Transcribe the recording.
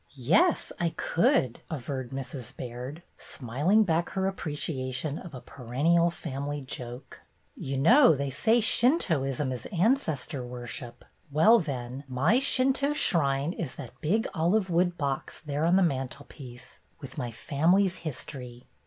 "Yes, I could," averred Mrs. Baird, smiling back her appreciation of a perennial family joke. "You know they say Shintoism is MANY A TRUE WORD 19 ancestor worship. Well, then, my Shinto shrine is that big olive wood box there on the mantlepiece, with my family's history."